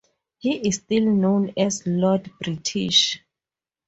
He is still known as Lord British.